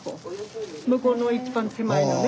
向こうの一番手前のね